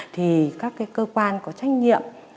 thì các cơ quan có trách nhiệm